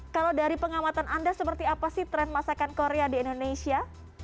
kalau dari pengamatan anda seperti apa sih tren masakan korea di indonesia